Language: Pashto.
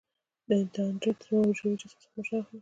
دندرایت له حجروي جسم څخه منشا اخلي.